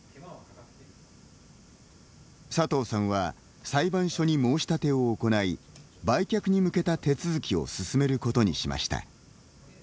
佐藤さんは裁判所に申し立てを行い売却に向けた手続きを進めることにしました。